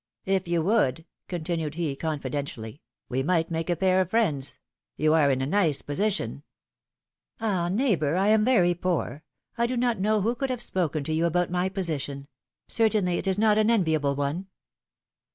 If you would/^ continued he, confidentially, ^^we might make a pair of friends ; you are in a nice position — '^Ah ! neighbor, I am very poor ; I do not know who could have spoken to you about my position ; certainly, it is not an enviable one